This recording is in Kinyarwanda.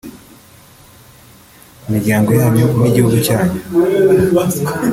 imiryango yanyu n’igihugu cyanyu